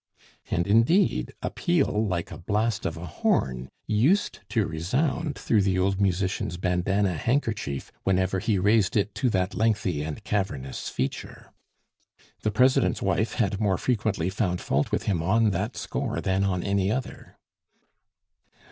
'" And, indeed, a peal like a blast of a horn used to resound through the old musician's bandana handkerchief whenever he raised it to that lengthy and cavernous feature. The President's wife had more frequently found fault with him on that score than on any other.